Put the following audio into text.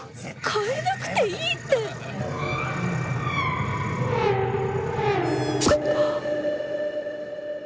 変えなくていいってはっ！